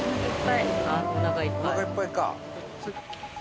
おなかいっぱいか。